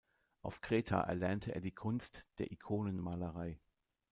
Auf Kreta erlernte er die Kunst der Ikonenmalerei.